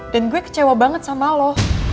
dan gue kecewa banget sama lo